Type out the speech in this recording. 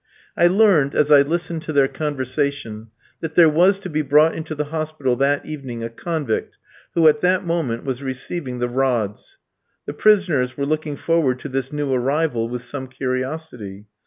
I learned, as I listened to their conversation, that there was to be brought into the hospital that evening a convict who, at that moment, was receiving the rods. The prisoners were looking forward to this new arrival with some curiosity.